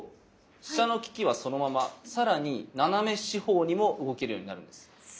飛車の利きはそのまま更に斜め四方にも動けるようになるんです。